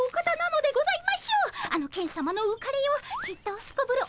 あのケンさまのうかれようきっとすこぶる